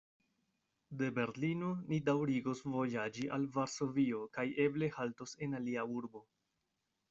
De Berlino ni daŭrigos vojaĝi al Varsovio kaj eble haltos en alia urbo.